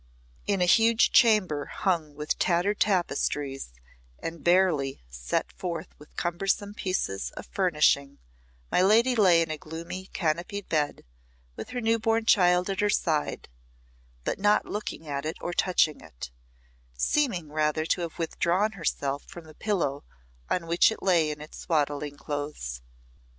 In a huge chamber hung with tattered tapestries and barely set forth with cumbersome pieces of furnishing, my lady lay in a gloomy, canopied bed, with her new born child at her side, but not looking at or touching it, seeming rather to have withdrawn herself from the pillow on which it lay in its swaddling clothes.